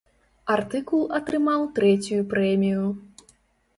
Артыкул атрымаў трэцюю прэмію.